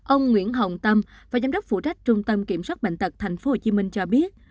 ông nguyễn hồng tâm và giám đốc phụ trách trung tâm kiểm soát bệnh tật tp hcm cho biết